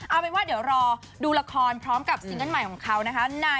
เอาเป็นว่าเดี๋ยวรอดูละครพร้อมกับซิงเกิ้ลใหม่ของเขานะคะ